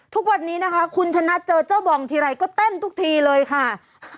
ทุกวันนี้นะคะคุณชนะเจอเจ้าบองทีไรก็เต้นทุกทีเลยค่ะ